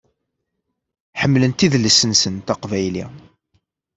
Ḥemmlent idles-nsent aqbayli.